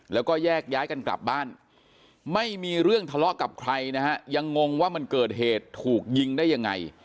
แล้วก็แยกย้ายกันกลับบ้านไม่มีเรื่องทะเลาะกับใครนะฮะยังงงว่ามันเกิดเหตุถูกยิงได้ยังไง